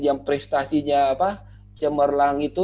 yang prestasinya cemerlang itu